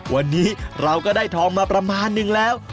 วันนี้เราก็ได้ทองมาประมาณนึงแล้ว